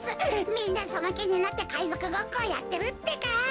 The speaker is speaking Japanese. みんなそのきになってかいぞくごっこをやってるってか！